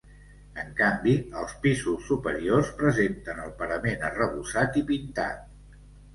En canvi, els pisos superiors presenten el parament arrebossat i pintat.